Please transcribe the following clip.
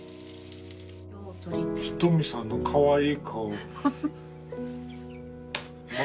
ひとみさんのかわいい顔。